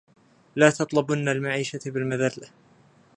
لا تطلبن معيشة بمذلة